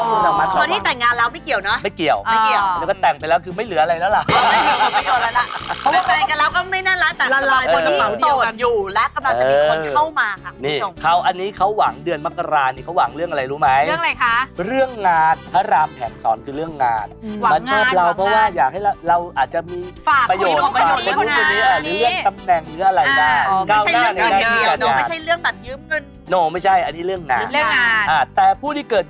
อคุณภาคมีประโยชน์อคุณภาคมีประโยชน์อคุณภาคมีประโยชน์อคุณภาคมีประโยชน์อคุณภาคมีประโยชน์อคุณภาคมีประโยชน์อคุณภาคมีประโยชน์อคุณภาคมีประโยชน์อคุณภาคมีประโยชน์อคุณภาคมีประโยชน์อคุณภาคมีประโยชน์อคุณภาคมีป